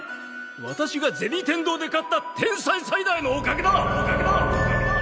私が銭天堂で買った天才サイダーのおかげだ！